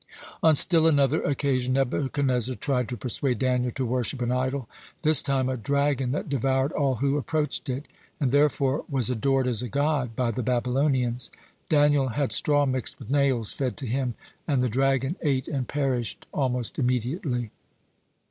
(111) On still another occasion Nebuchadnezzar tried to persuade Daniel to worship an idol, this time a dragon that devoured all who approached it, and therefore was adored as a god by the Babylonians. Daniel had straw mixed with nails fed to him, and the dragon ate and perished almost immediately.